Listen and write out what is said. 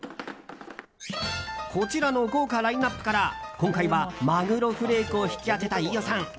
こちらの豪華ラインアップから今回は、マグロフレークを引き当てた飯尾さん。